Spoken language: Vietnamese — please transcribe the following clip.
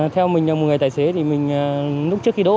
theo mình là một người tài xế thì mình lúc trước khi đỗ